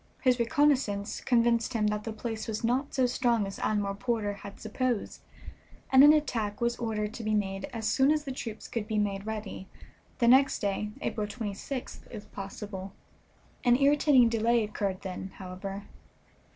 His reconnoissance convinced him that the place was not so strong as Admiral Porter had supposed, and an attack was ordered to be made as soon as the troops could be made ready, the next day, April 26th, if possible. An irritating delay occurred then, however.